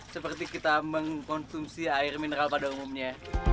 seperti kita mengkonsumsi air mineral pada umumnya